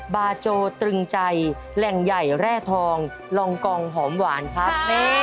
บาโจตรึงใจแหล่งใหญ่แร่ทองลองกองหอมหวานครับ